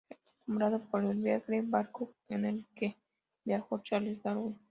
Está nombrado por el Beagle, barco en el que viajó Charles Darwin.